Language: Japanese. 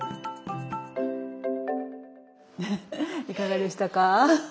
いかがでしたか？